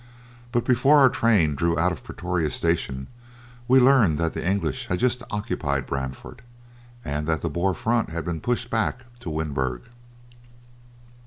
But before our train drew out of Pretoria Station we learned that the English had just occupied Brandfort, and that the Boer front had been pushed back to Winburg.